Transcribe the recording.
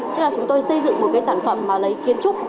cho là chúng tôi xây dựng một cái sản phẩm mà lấy kiến trúc